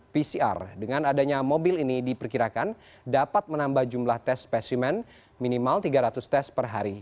pcr dengan adanya mobil ini diperkirakan dapat menambah jumlah tes spesimen minimal tiga ratus tes per hari